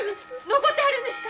残ってはるんですか？